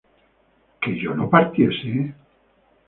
¿que yo no partiese?